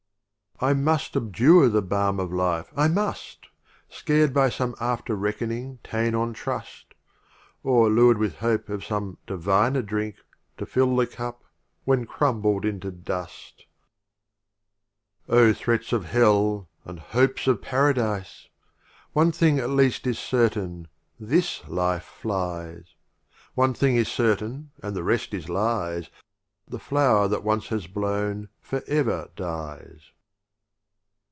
I must abjure the Balm of Life, I must, Scared by some After reckoning ta'en on trust, Or lured with Hope of some Diviner Drink, To fill the Cup — when crumbled into Dust! *3 LXIII. Ruba'iyat O threats of Hell and Hopes of of Omar Paradise! Khayyam .... One thing at least is certain — This Life flies; One thing is certain and the rest is Lies; The Flower that once has blown for ever dies.